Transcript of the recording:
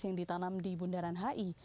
yang ditanam di bundaran hi